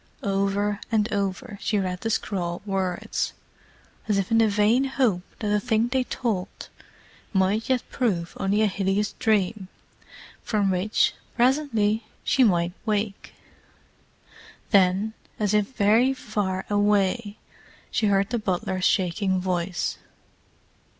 Over and over she read the scrawled words, as if in the vain hope that the thing they told might yet prove only a hideous dream from which, presently, she might wake. Then, as if very far away, she heard the butler's shaking voice.